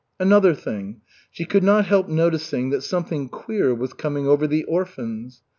Another thing. She could not help noticing that something queer was coming over the orphans.